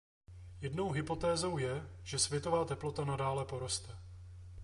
Jednou hypotézou je, že světová teplota nadále poroste.